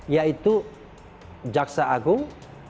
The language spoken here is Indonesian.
yaitu jaksa agung